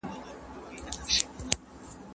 موږ د یوې نوې ټولني پر لور ځو.